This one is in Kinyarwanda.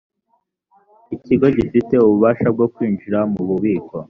ikigo gifite ububasha bwo kwinjira mu bubiko